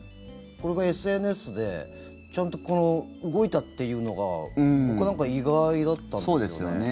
これがＳＮＳでちゃんと動いたというのが僕は、なんか意外だったんですよね。